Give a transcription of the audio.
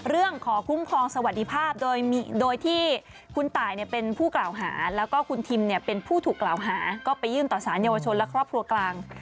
เรื่องขอคุ้มครองสวัสดิภาพโดยที่คุณตายเป็นผู้กล่าวหาแล้วก็คุณทิมเป็นผู้ถูกกล่าวหาก็ไปยื่นต่อสารเยาวชนและครอบครัวกลาง